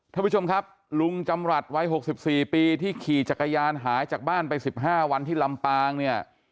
ท่านผู้ชมครับลุงจำรัฐวัย๖๔ปีที่ขี่จักรยานหายจากบ้านไป๑๕วันที่ลำปางเนี่ย